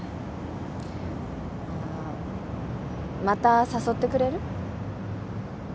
また誘ってくれる？